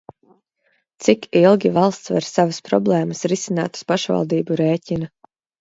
Cik ilgi valsts var savas problēmas risināt uz pašvaldību rēķina?